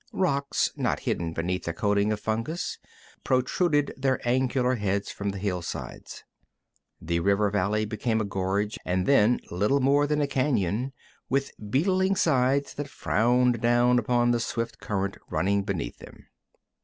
Rocks, not hidden beneath a coating of fungus, protruded their angular heads from the hillsides. The river valley became a gorge, and then little more than a cañon, with beetling sides that frowned down upon the swift current running beneath them.